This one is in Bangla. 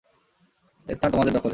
এস্থান তোমাদের দখলে।